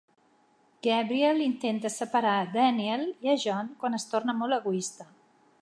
Gabrielle intenta separar a Danielle i a John quan es torna molt egoista.